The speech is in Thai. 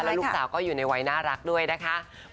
แล้วลูกสาวก็อยู่ในวัยน่ารักด้วยนะคะ